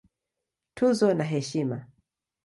Tuzo na Heshima